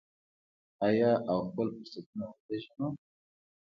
آیا او خپل فرصتونه وپیژنو؟